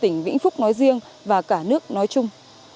mình chúc quý vị hạnh phúc nói riêng và cả nước nói chung